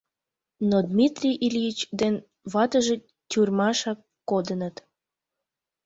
Но Дмитрий Ильич ден ватыже тюрьмашак кодыныт.